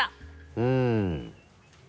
うん。